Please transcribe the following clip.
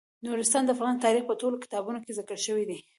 نورستان د افغان تاریخ په ټولو کتابونو کې ذکر شوی دی.